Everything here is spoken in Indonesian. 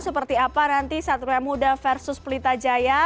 seperti apa nanti satria muda versus pelita jaya